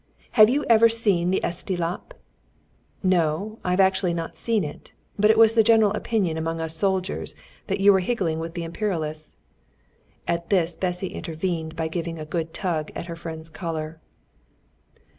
"Have you ever seen the Esti Lap?" "No, I've not actually seen it, but it was the general opinion among us soldiers that you were higgling with the Imperialists." At this Bessy intervened by giving a good tug at her friend's collar.